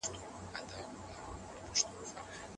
چي د دېوال وو که د وني خو په یاد مي نه وي